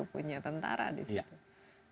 punya tentara di situ